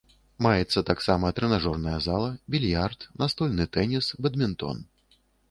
Маецца таксама трэнажорная зала, більярд, настольны тэніс, бадмінтон.